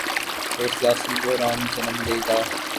تو سیاسی بحران جنم لے گا۔